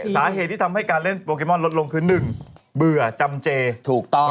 สาเหตุที่ทำให้การเล่นโปเกมอนลดลงคือ๑เบื่อจำเจถูกต้อง